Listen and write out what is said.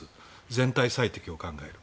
全体最適を考える。